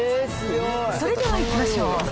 それではいきましょう。